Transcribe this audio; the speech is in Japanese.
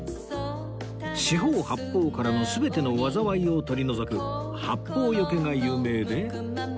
四方八方からの全ての災いを取り除く八方除が有名で